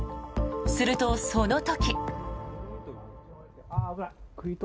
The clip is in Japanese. すると、その時。